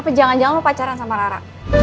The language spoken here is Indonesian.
tapi jangan jangan lo pacaran sama rara